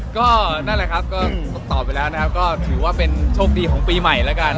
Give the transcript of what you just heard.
ก็นั่นแหละครับก็ตอบไปแล้วนะครับก็ถือว่าเป็นโชคดีของปีใหม่แล้วกัน